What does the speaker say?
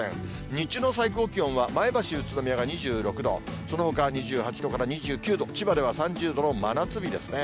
日中の最高気温は、前橋、宇都宮が２６度、そのほかは２８度から２９度、千葉では３０度の真夏日ですね。